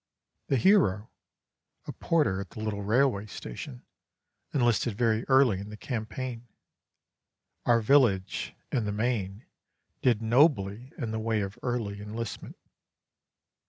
The hero, a porter at the little railway station, enlisted very early in the campaign. Our village—in the main—did nobly in the way of early enlistment.